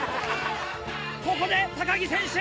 ここで木選手。